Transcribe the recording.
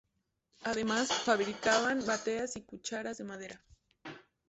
Además fabricaban bateas y cucharas de madera.